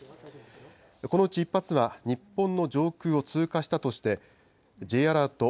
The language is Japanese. このうち１発は日本の上空を通過したとして、Ｊアラート